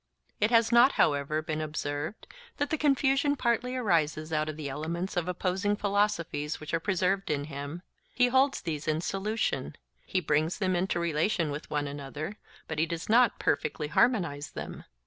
It has not, however, been observed, that the confusion partly arises out of the elements of opposing philosophies which are preserved in him. He holds these in solution, he brings them into relation with one another, but he does not perfectly harmonize them.